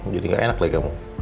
jadi gak enak lah kamu